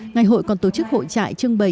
ngày hội còn tổ chức hội trại trưng bày